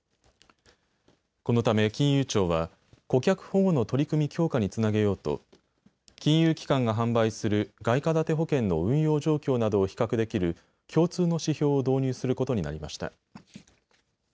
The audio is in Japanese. このため金融庁は顧客保護の取り組み強化につなげようと金融機関が販売する外貨建て保険の運用状況などを比較できる共通の指標を導入することになりました。